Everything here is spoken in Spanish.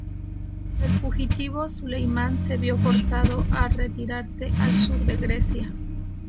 El fugitivo Süleyman se vio forzado a retirarse al sur de Grecia.